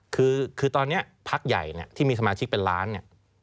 คือตอนนี้พักใหญ่เนี่ยที่มีสมาชิกเป็นล้านเนี่ย